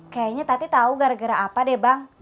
kayaknya tati tahu gara gara apa deh bang